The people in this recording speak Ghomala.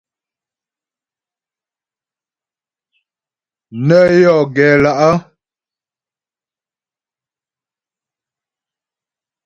Nə́ yɔ gɛ lá'.